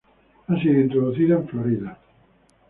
Ha sido introducido en Florida.